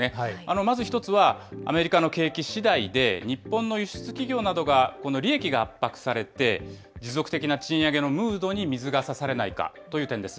まず１つは、アメリカの景気しだいで、日本の輸出企業などが利益が圧迫されて、持続的な賃上げのムードに水がさされないかという点です。